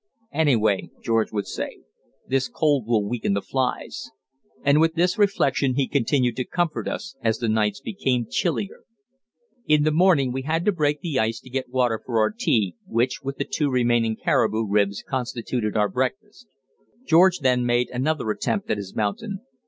"Anyway," George would say, "this cold will weaken the flies." And with this reflection he continued to comfort us as the nights became chillier. In the morning we had to break the ice to get water for our tea, which with the two remaining caribou ribs constituted our breakfast. George then made another attempt at his mountain.